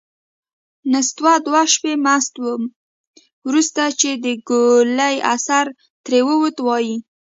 نستوه دوه شپې مست و. وروسته چې د ګولۍ اثر ترې ووت، وايي: